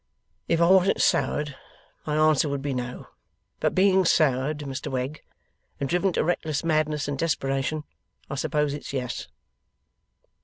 'If I wasn't soured, my answer would be no. But being soured, Mr Wegg, and driven to reckless madness and desperation, I suppose it's Yes.